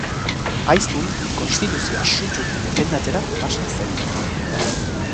Aizpun konstituzioa sutsuki defendatzera pasa zen.